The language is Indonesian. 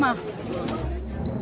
di depan rumah